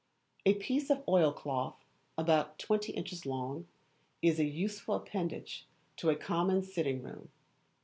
A piece of oilcloth (about twenty inches long) is a useful appendage to a common sitting room.